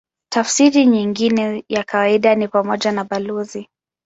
Tafsiri nyingine ya kawaida ni pamoja na balozi.